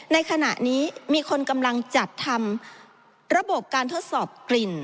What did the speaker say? ในขณะนี้มีคนกำลังจัดทำระบบการทดสอบกลิ่น